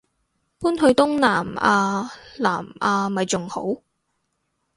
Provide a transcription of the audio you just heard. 搬去東南亞南亞咪仲好